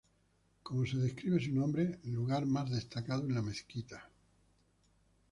Como se describe su nombre, lugar más destacado en la mezquita.